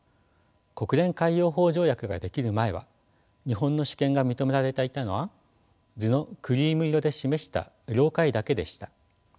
国連海洋法条約が出来る前は日本の主権が認められていたのは図のクリーム色で示した領海だけでした。